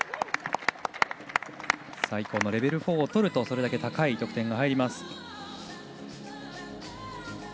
レベル４だとそれだけ高い得点が入ります。